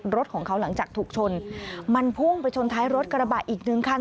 รถของเขาหลังจากถูกชนมันพุ่งไปชนท้ายรถกระบะอีกหนึ่งคัน